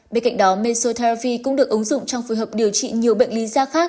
bên cạnh đó mesotherapy cũng được ứng dụng trong phù hợp điều trị nhiều bệnh lý da khác